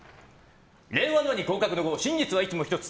令和の「和」に合格の「合」真実はいつも一つ！